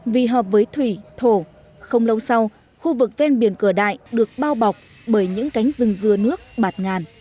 vì hợp với thủy thổ không lâu sau khu vực ven biển cửa đại được bao bọc bởi những cánh rừng dưa nước bạt ngàn